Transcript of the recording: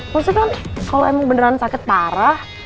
maksudnya kan kalau emang beneran sakit parah